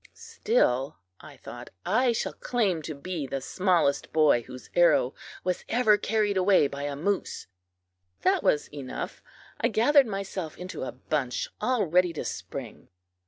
"Still," I thought, "I shall claim to be the smallest boy whose arrow was ever carried away by a moose." That was enough. I gathered myself into a bunch, all ready to spring.